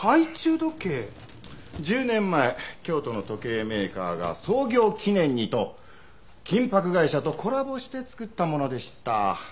１０年前京都の時計メーカーが創業記念にと金箔会社とコラボして作ったものでした。